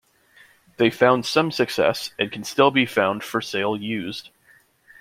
They found some success, and can still be found for sale used.